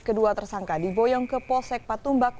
kedua tersangka diboyong ke polsek patumbak